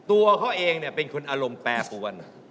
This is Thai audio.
ตัวเขาเองเป็นคนอารมณ์แปรปวน